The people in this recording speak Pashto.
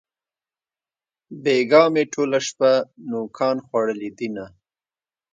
بېگاه مې ټوله شپه نوکان خوړلې دينه